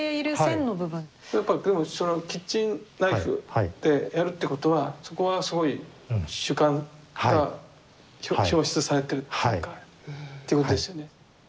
やっぱでもそのキッチンナイフでやるってことはそこはすごい主観が表出されてるっていうかっていうことですよね。